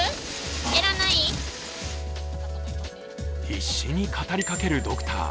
必死に語りかけるドクター。